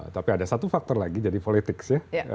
tapi ada satu faktor lagi jadi politik ya